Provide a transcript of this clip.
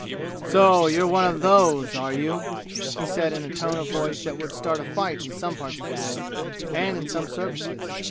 "So you're one of those, are you!" he said in a tone of voice that would start a fight in some parts of the world and in some services.